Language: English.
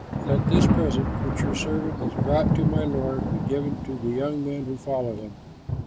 Let this present which your servant has brought to my lord be given to the young men who follow him.